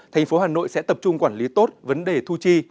tp hà nội sẽ tập trung quản lý tốt vấn đề thu chi